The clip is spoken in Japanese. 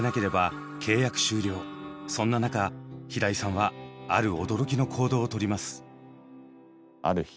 そんな中平井さんはある驚きの行動をとります。